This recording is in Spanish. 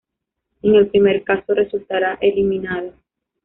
En el primer caso, resultará eliminado.